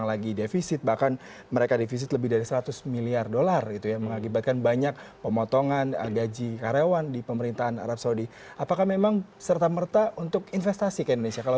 apakah memang serta merta untuk investasi ke indonesia